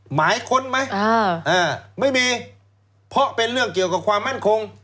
หมายค้นไหมไม่มีเพราะเป็นเรื่องเกี่ยวกับความมั่นคง